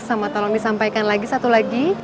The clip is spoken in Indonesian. sama tolong disampaikan lagi satu lagi